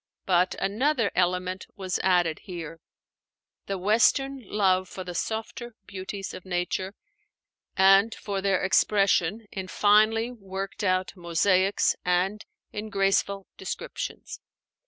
But another element was added here, the Western love for the softer beauties of nature, and for their expression in finely worked out mosaics and in graceful descriptions.